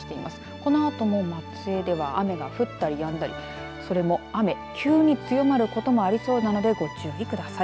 このあとも松江では雨が降ったりやんだりそれも雨、急に強まることもありそうなのでご注意ください。